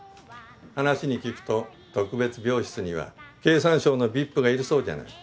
話に聞くと特別病室には経産省のＶＩＰがいるそうじゃない。